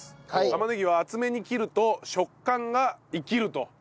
玉ねぎは厚めに切ると食感が生きると。